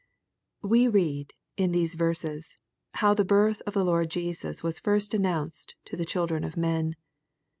We read, in these verses, how the birth of the Lord Jesus was first announced to the children of men.